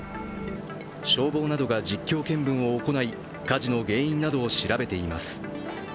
消防などが実況見分を行い火事の原因などを調べています。